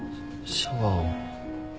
シャワーを。